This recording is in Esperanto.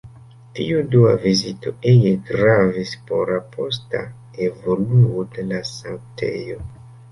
Tiu dua vizito ege gravis por la posta evoluo de la sanktejo.